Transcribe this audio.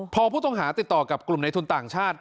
พอผู้ต้องหาติดต่อกับกลุ่มในทุนต่างชาติ